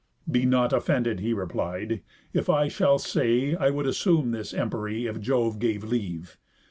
"Be not offended," he replied, "if I Shall say, I would assume this empery, If Jove gave leave.